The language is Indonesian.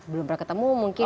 belum pernah ketemu mungkin